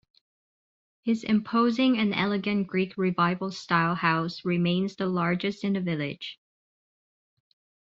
His imposing and elegant Greek Revival style house remains the largest in the village.